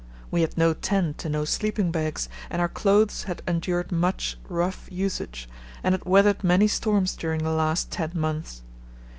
We had no tent and no sleeping bags, and our clothes had endured much rough usage and had weathered many storms during the last ten months.